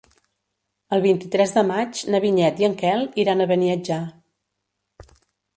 El vint-i-tres de maig na Vinyet i en Quel iran a Beniatjar.